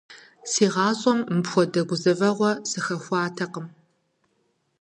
Си гъащӀэм мыпхуэдэ гузэвэгъуэ сыхэхуатэкъым.